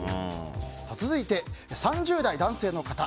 続いて３０代男性の方。